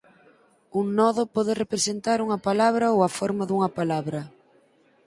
Un nodo pode representar unha palabra ou a forma dunha palabra.